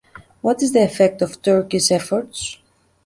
What is the effect of Turkey’s efforts?